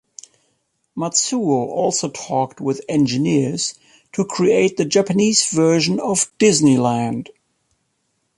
Matsuo also talked with engineers to create the Japanese version of Disneyland.